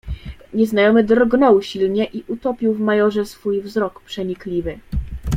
"Nieznajomy drgnął silnie i utopił w majorze swój wzrok przenikliwy."